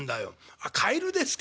「あっカエルですか。